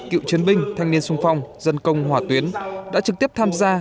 cựu chiến binh thanh niên sung phong dân công hỏa tuyến đã trực tiếp tham gia